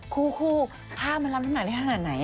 ครูผ้ามันรั้มทั้งไหนไรบ้าง